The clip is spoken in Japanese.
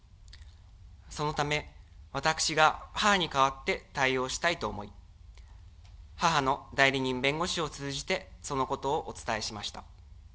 そのため、私が母に代わって対応したいと思い、母の代理人弁護士を通じて、そのことをお伝えしました。